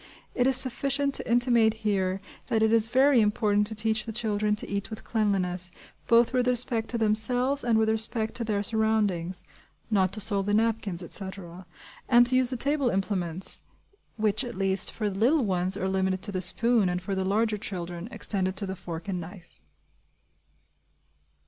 It is sufficient to intimate here that it is very important to teach the children to eat with cleanliness, both with respect to themselves and with respect to their surroundings (not to soil the napkins, etc.), and to use the table implements (which, at least, for the little ones, are limited to the spoon, and for the larger children extended to the fork and knife).